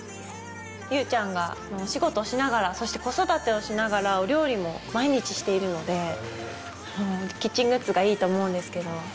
優ちゃんがお仕事しながらそして子育てをしながらお料理も毎日しているのでキッチングッズがいいと思うんですけど。